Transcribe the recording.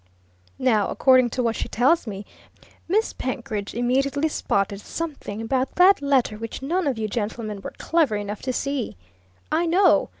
Now, according to what she tells me, Miss Penkridge immediately spotted something about that letter which none of you gentlemen were clever enough to see " "I know!"